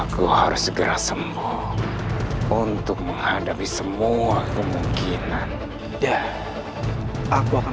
yang akan menghidupkan